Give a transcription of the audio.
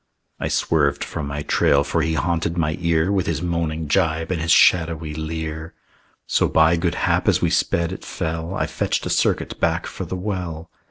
I swerved from my trail, for he haunted my ear With his moaning jibe and his shadowy leer. So by good hap as we sped it fell, I fetched a circuit back for the well.